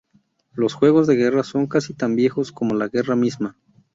Los juegos de guerra son casi tan viejos como la guerra misma.